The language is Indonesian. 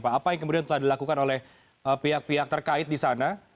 apa yang kemudian telah dilakukan oleh pihak pihak terkait di sana